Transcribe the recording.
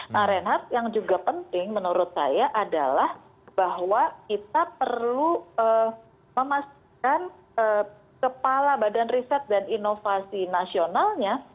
nah reinhardt yang juga penting menurut saya adalah bahwa kita perlu memastikan kepala badan riset dan inovasi nasionalnya